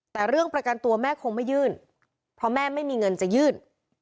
แต่เรื่องประกันตัวแม่คงไม่ยื่นเพราะแม่ไม่มีเงินจะยื่น